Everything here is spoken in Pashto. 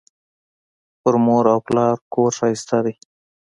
په مور او پلار کور ښایسته دی